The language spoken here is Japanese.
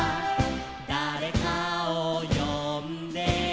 「だれかをよんで」